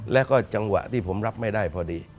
แล้วก็จังหวะที่ผมรับไม่ได้พอดี